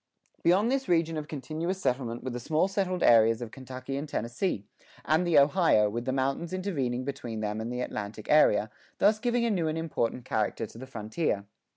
[6:1] Beyond this region of continuous settlement were the small settled areas of Kentucky and Tennessee, and the Ohio, with the mountains intervening between them and the Atlantic area, thus giving a new and important character to the frontier.